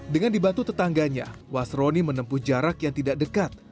dengan dibantu tetangganya wasroni menempuh jarak yang tidak dekat